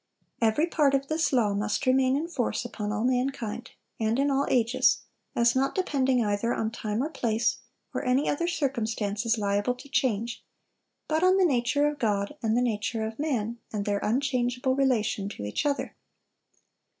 Every part of this law must remain in force upon all mankind, and in all ages; as not depending either on time or place, or any other circumstances liable to change, but on the nature of God, and the nature of man, and their unchangeable relation to each other.